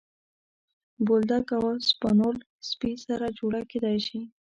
بولداګ او اسپانیول سپي سره جوړه کېدلی شي.